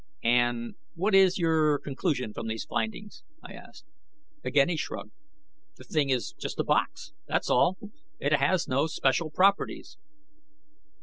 "And what is your conclusion from these findings?" I asked. Again he shrugged. "The thing is just a box, that's all. It has no special properties."